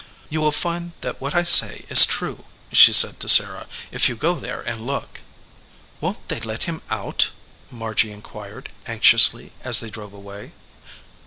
"You will find that what I say is true," she said to Sarah, "if you go there and look." "Won t they let him out ?" Margy inquired, anx iously, as they drove away.